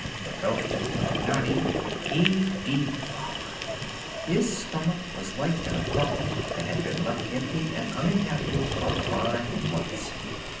Pinocchio did not eat, he devoured. His stomach was like an apartment that had been left empty and uninhabited for five months.